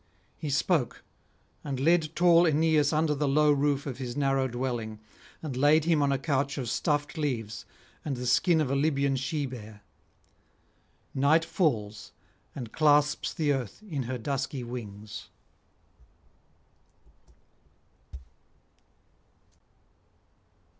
He spoke, and led tall Aeneas under the low roof of his narrow dwelling, and laid him on a couch of stuffed leaves and the skin of a Libyan she bear. Night falls and clasps the earth in her dusky wings.